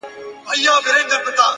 د ښویېدلي سړي لوري د هُدا لوري-